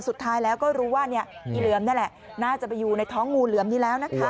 สุดท้ายแล้วก็รู้ว่าอีเหลือมนี่แหละน่าจะไปอยู่ในท้องงูเหลือมนี้แล้วนะคะ